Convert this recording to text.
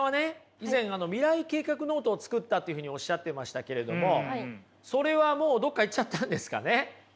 以前未来計画ノートをつくったっていうふうにおしゃっていましたけれどもそれはもうどっかいっちゃったんですかね？